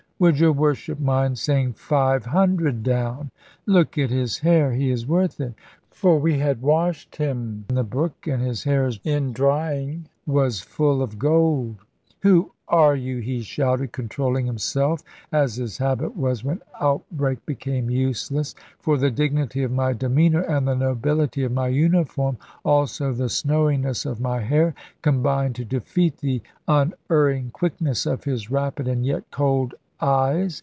"Would your Worship mind saying five hundred down? Look at his hair: he is worth it." For we had washed him in the brook; and his hair in drying was full of gold. "Who are you?" he shouted, controlling himself, as his habit was, when outbreak became useless. For the dignity of my demeanour, and the nobility of my uniform, also the snowiness of my hair, combined to defeat the unerring quickness of his rapid and yet cold eyes.